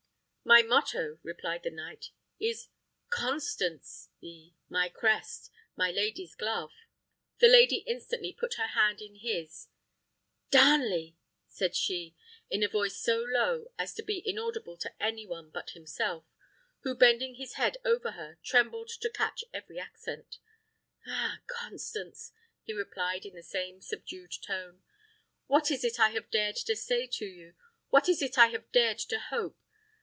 "My motto," replied the knight, "is Constanc y; my crest, a lady's glove." The lady instantly put her hand into his. "Darnley!" said she, in a voice so low as to be inaudible to any one but himself, who, bending his head over her, trembled to catch every accent. "Ah! Constance," he replied, in the same subdued tone, "what is it I have dared to say to you? what is it I have dared to hope?